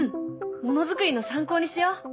ものづくりの参考にしよう。